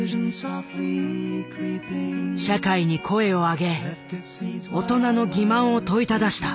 社会に声を上げ大人の欺瞞を問いただした。